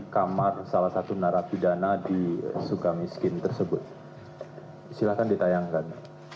kamar salah satu narapidana di sukamiskin tersebut silahkan ditayangkan